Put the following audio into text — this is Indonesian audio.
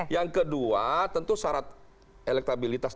yang kedua tentu syarat elektabilitas